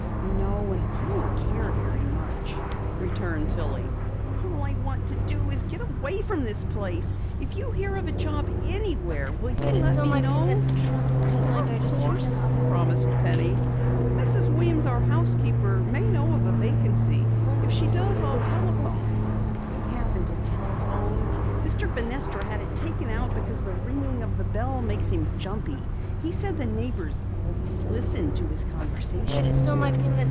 "No, and I don't care very much," returned Tillie. "All I want to do is get away from this place. If you hear of a job anywhere will you let me know?" "Of course," promised Penny. "Mrs. Weems, our housekeeper, may know of a vacancy. If she does, I'll telephone." "We haven't a telephone. Mr. Fenestra had it taken out because the ringing of the bell made him jumpy. He said the neighbors always listened to his conversations, too.